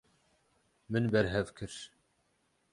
Min berhev kir.